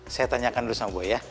saya tanyakan dulu sama bu ya